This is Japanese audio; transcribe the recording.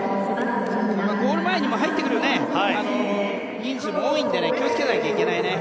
ゴール前にも入ってくる人数も多いので気をつけないといけないね。